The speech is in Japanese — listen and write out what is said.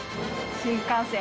新幹線。